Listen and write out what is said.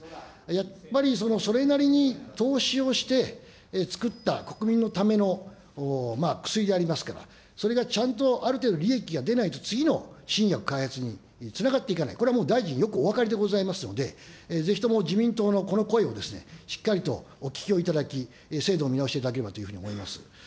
やっぱりそれなりに投資をして作った国民のための薬でありますから、それがちゃんとある程度、利益が出ないと次の新薬開発につながっていかない、これはもう大臣、よくお分かりでございますので、ぜひとも自民党のこの声を、しっかりとお聞きをいただき、制度を見直していただければというふうに思います。